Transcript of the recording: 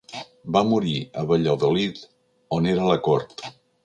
Va morir a Valladolid on era la cort.